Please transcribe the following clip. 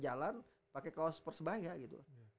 jalan pakai kaos persebaya gitu